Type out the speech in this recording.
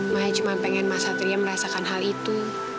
maya cuma pengen mas adria merasakan hal itu